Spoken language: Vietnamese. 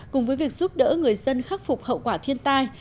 cùng với việc giúp đỡ người dân khắc phục hậu quả thiên tai